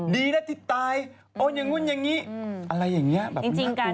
ดีนะที่ตายอย่างนี้อย่างนี้อะไรอย่างนี้แบบนี้น่ากลัว